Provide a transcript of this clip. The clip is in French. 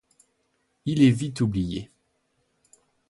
Il est vite oublié.